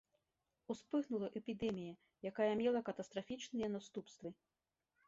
Успыхнула эпідэмія, якая мела катастрафічныя наступствы.